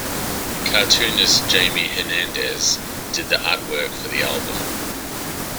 Cartoonist Jaime Hernandez did the artwork for the album.